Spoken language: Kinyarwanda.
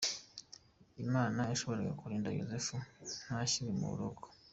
Imana yashoboraga kurinda Yozefu ntashyirwe mu buroko.